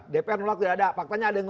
dpr menolak tidak ada faktanya ada yang